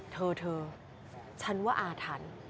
เธอเธอฉันว่าอาถรรพ์